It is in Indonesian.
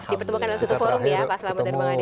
dipertemukan dalam satu forum ya pak selamat dan bang andi